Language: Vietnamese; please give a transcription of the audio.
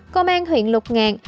công an huyện lục ngàn